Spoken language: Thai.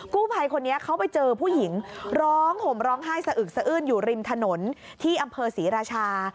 กู้ภัยคนนี้เขาไปเจอผู้หญิงร้องห่มร้องไห้สะอึกสะอื้นอยู่ริมถนนที่อำเภอศรีราชา